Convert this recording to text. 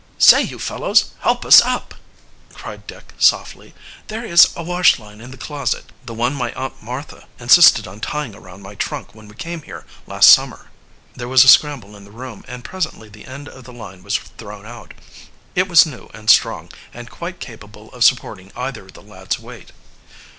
"Say, you fellows, help us up!" cried Dick softly. "There is a wash line in the closet the one my Aunt Martha insisted on tying around my trunk when we came here last summer." There was a scramble in the room, and presently the end of the line was thrown out. It was new and strong, and quite capable of supporting either of the lads' weight.